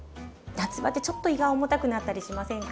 夏場ってちょっと胃が重たくなったりしませんか？